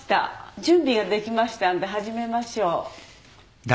準備ができましたんで始めましょう。